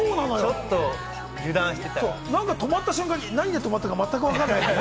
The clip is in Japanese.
ちょっと止まった瞬間に何で止まったかわからない。